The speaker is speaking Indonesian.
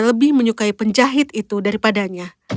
lebih menyukai penjahit itu daripadanya